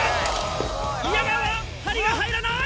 宮川針が入らない！